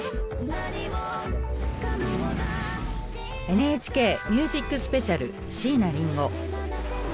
「ＮＨＫＭＵＳＩＣＳＰＥＣＩＡＬ」椎名林檎。